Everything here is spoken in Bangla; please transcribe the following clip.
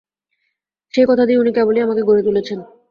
সেই কথা দিয়ে উনি কেবলই আমাকে গড়ে তুলেছেন।